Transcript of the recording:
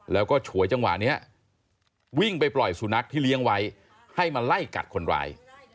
แล้วก็ฉวยจังหวะนี้วิ่งไปปล่อยสุนัขที่เลี้ยงไว้ให้มาไล่กัดคนร้าย